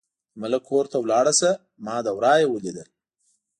د ملک کور ته لاړه شه، ما له ورايه ولیدل.